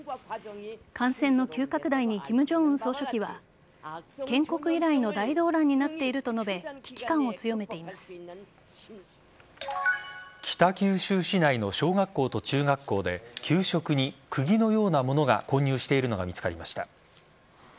感染の急拡大に金正恩総書記は建国以来の大動乱になっていると述べ北九州市内の小学校と中学校で給食にくぎのようなものが混入しているのが見つかりました。